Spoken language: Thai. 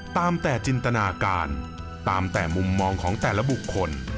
ตามแต่จินตนาการตามแต่มุมมองของแต่ละบุคคล